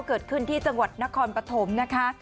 เกิดขึ้นที่จังหวัดนครปฐมนะคะ